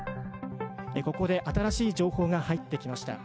ここで新しい情報が入ってきました。